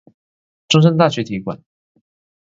中山大學體育館